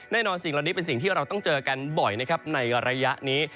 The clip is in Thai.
สิ่งเหล่านี้เป็นสิ่งที่เราต้องเจอกันบ่อยนะครับในระยะนี้